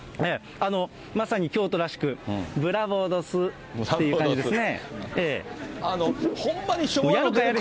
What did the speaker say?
まさに京都らしく、ブラボーどすっていう感じですね。